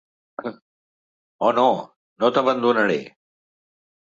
Oh no, no t'abandonaré.